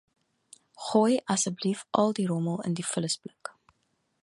Gooi asseblief al die rommel in die vullisblik.